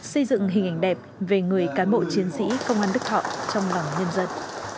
hai nghìn hai mươi xây dựng hình ảnh đẹp về người cán bộ chiến sĩ công an đức thọ trong lòng nhân dân